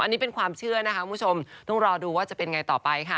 อันนี้เป็นความเชื่อนะคะคุณผู้ชมต้องรอดูว่าจะเป็นไงต่อไปค่ะ